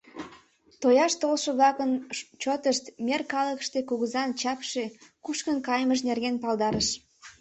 Тояш толшо-влакын чотышт мер калыкыште Кугызан чапше кушкын кайымыж нерген палдарыш.